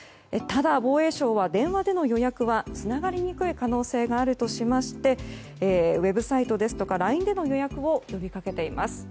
ただ、防衛省は電話での予約はつながりにくい可能性があるとしましてウェブサイトですとかＬＩＮＥでの予約を呼びかけています。